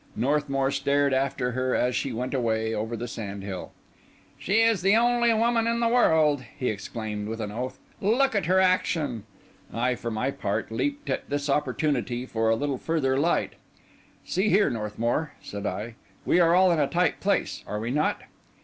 Northmour stared after her as she went away over the sand hill "She is the only woman in the world!" he exclaimed with an oath. "Look at her action." I, for my part, leaped at this opportunity for a little further light. "See here, Northmour," said I; "we are all in a tight place, are we not?"